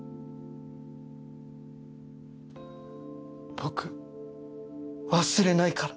僕忘れないから！